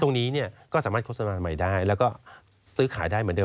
ตรงนี้เนี่ยก็สามารถโฆษณาใหม่ได้แล้วก็ซื้อขายได้เหมือนเดิ